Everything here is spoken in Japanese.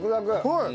はい。